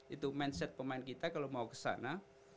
itu mindset pemain kita kalau mau ke sana